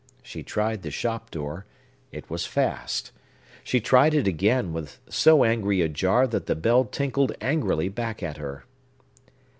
She tried the shop door; it was fast. She tried it again, with so angry a jar that the bell tinkled angrily back at her.